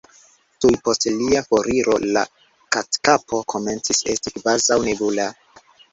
Tuj post lia foriro la Katkapo komencis esti kvazaŭ nebula.